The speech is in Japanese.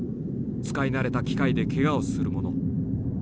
使い慣れた機械でケガをする者。